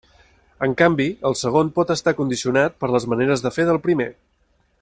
En canvi, el segon pot estar condicionat per les maneres de fer del primer.